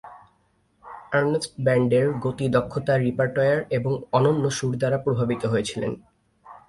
Ernst ব্যান্ডের গতি, দক্ষতা, রিপারটোয়ার এবং অনন্য সুর দ্বারা প্রভাবিত হয়েছিলেন।